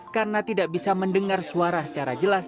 karena tidak bisa mendengar suara secara jelas